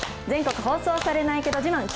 全国放送されないけど自慢。